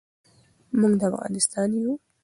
مونږ د افغانستان یو.